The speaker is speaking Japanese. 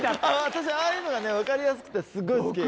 私ああいうのがね分かりやすくてすごい好き。